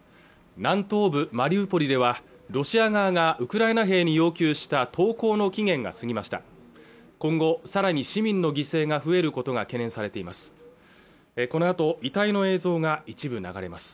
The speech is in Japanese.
南東部マリウポリではロシア側がウクライナ兵に要求した投降の期限が過ぎました今後さらに市民の犠牲が増えることが懸念されています